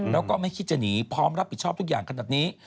แล้วก็ไม่คิดจะหนีพร้อมรับผิดชอบทุกอย่างขนาดนี้